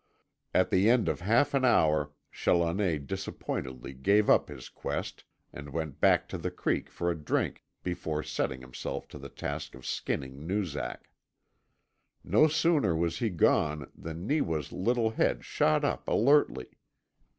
At the end of half an hour Challoner disappointedly gave up his quest, and went back to the creek for a drink before setting himself to the task of skinning Noozak. No sooner was he gone than Neewa's little head shot up alertly.